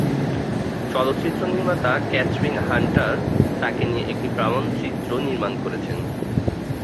চলচ্চিত্র নির্মাতা Catherine Hunter তাকে নিয়ে একটি প্রামাণ্যচিত্র নির্মাণ করছেন।